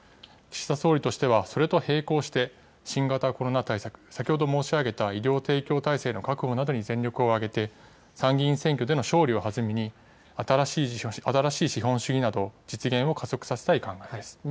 岸田総理としてはそれと並行して、新型コロナ対策、先ほど申し上げた医療提供体制の確保などに全力を挙げて、参議院選挙での勝利を弾みに、新しい資本主義など、実現を加速させたい考えです。